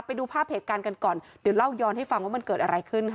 ไปดูภาพเหตุการณ์กันก่อนเดี๋ยวเล่าย้อนให้ฟังว่ามันเกิดอะไรขึ้นค่ะ